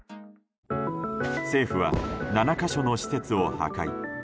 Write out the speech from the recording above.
政府は７か所の施設を破壊。